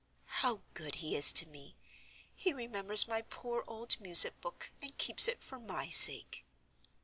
"How good he is to me! He remembers my poor old music book, and keeps it for my sake."